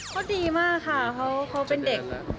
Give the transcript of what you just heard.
เขาดีมากค่ะเขาเป็นเด็ก